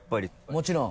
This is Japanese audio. もちろん。